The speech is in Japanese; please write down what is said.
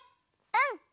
うん！